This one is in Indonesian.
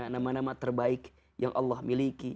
nama nama terbaik yang allah miliki